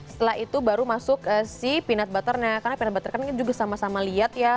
setelah itu baru masuk si peanut butternya karena peanut butter kan ini juga sama sama liat ya